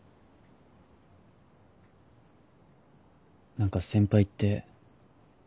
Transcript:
何か先輩って。